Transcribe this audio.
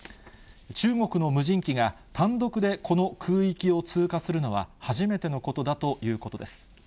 中国の無人機が、単独でこの空域を通過するのは初めてのことだということです。